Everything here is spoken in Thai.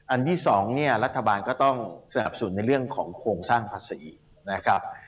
ที่๒เนี่ยรัฐบาลก็ต้องสนับสนุนในเรื่องของโครงสร้างภาษีนะครับ